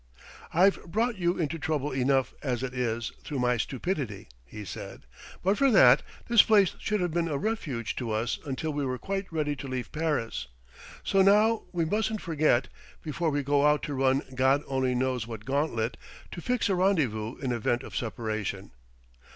"I've brought you into trouble enough, as it is, through my stupidity," he said; "but for that, this place should have been a refuge to us until we were quite ready to leave Paris. So now we mustn't forget, before we go out to run God only knows what gauntlet, to fix a rendezvous in event of separation....